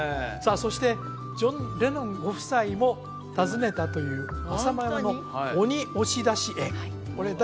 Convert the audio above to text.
そしてジョン・レノンご夫妻も訪ねたという浅間山の鬼押出し園